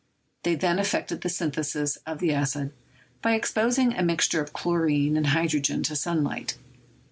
They then effected the synthesis of the acid, by exposing a mixture of chlorine and hydrogen to sunlight.